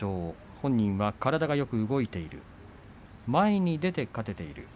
本人は体がよく動いている前に出て勝てている。